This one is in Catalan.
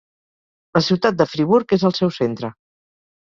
La ciutat de Friburg és el seu centre.